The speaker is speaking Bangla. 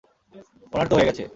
ওনার তো হয়ে গেছে।